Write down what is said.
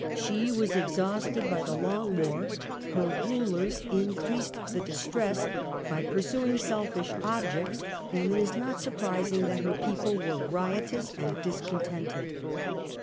She was exhausted by the long war, her rulers increased the distress by pursuing selfish objects, and it is not surprising that her people were riotous and discontented.